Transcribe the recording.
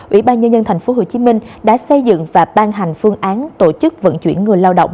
ủy ban nhân dân tp hcm đã xây dựng và ban hành phương án tổ chức vận chuyển người lao động